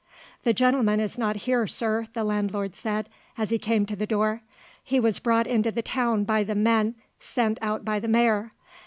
"The gentleman is not here, sir," the landlord said, as he came to the door. "He was brought into the town by the men sent out by the mayor.